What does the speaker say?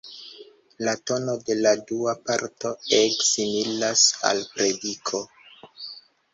La tono de la dua parto ege similas al prediko.